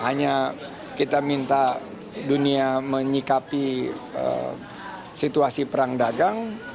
hanya kita minta dunia menyikapi situasi perang dagang